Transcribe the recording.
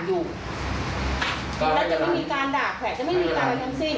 ให้เวลาปรับใจกันนิดหนึ่ง